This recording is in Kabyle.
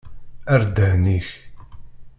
Err ddhen-ik!